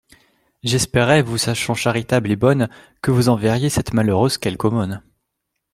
J'espérais, vous sachant charitable et bonne, que vous enverriez à cette malheureuse quelque aumône.